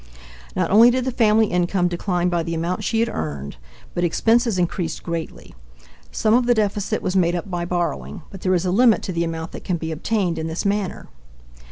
Not only did the family income decline by the amount she had earned, but expenses increased greatly. Some of the deficit was made up by borrowing, but there is a limit to the amount that can be obtained in this manner.